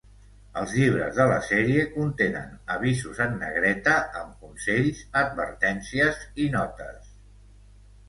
Els llibres de la sèrie contenen avisos en negreta, amb consells, advertències i notes.